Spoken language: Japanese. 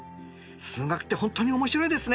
数学って本当に面白いですね。